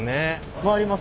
回ります。